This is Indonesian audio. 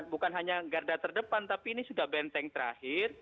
bukan hanya garda terdepan tapi ini sudah benteng terakhir